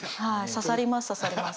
刺さります刺さります。